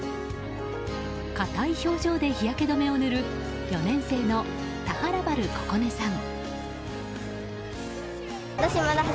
硬い表情で日焼け止めを塗る４年生の田原春心寧さん。